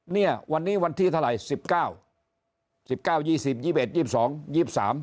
เนี่ยวันนี้วันที่เท่าไหร่๑๙